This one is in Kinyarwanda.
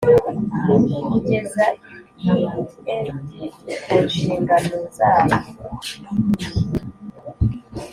Kugeza ilpd ku nshingano zayo